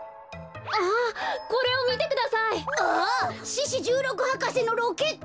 獅子じゅうろく博士のロケット！